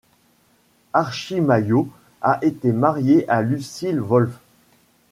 Archie Mayo a été marié à Lucille Wolfe.